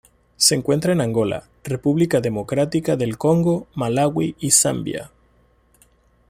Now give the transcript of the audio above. Se encuentra en Angola, República Democrática del Congo, Malawi y Zambia.